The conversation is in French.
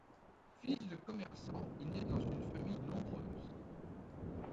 Fils de commerçant, il naît dans une famille nombreuse.